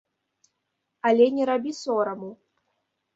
Але не рабі сораму.